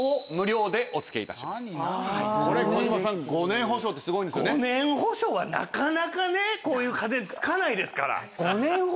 ５年保証はなかなかこういう家電つかないですから。